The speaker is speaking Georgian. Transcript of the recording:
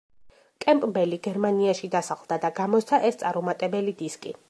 კემპბელი გერმანიაში დასახლდა და გამოსცა ეს წარუმატებელი დისკი.